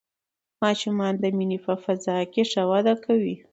ماشومان د مینې په فضا کې ښه وده کوي